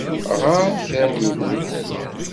Ɣeṛ kra n udlis!